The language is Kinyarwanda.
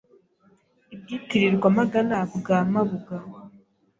I Bwitirirwamagana bwa Mabuga